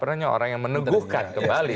penasaran dari orang yang meneguhkan kembali